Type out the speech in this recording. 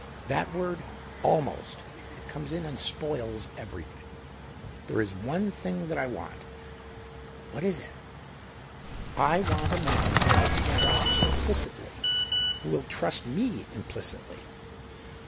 That word ' almost,' it comes in and spoils everything. There is one thinoj that I want." "What is it?" " I want a man whom I can trust implicitly — who will trust me implicitly."